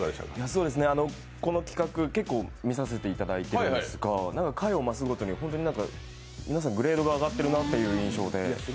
この企画、結構見せていただいてるんですが、回を増すごとに皆さんグレードが上がっているなという印象で。